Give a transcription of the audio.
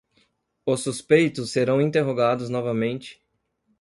Os suspeitos serão interrogados novamente